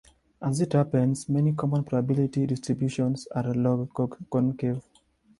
As it happens, many common probability distributions are log-concave.